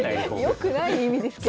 良くない意味ですけど。